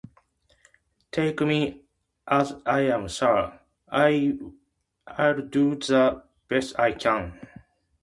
Take me as I am swear I'll do the best I can